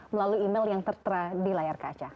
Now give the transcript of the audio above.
melalui email yang tertera di layar kaca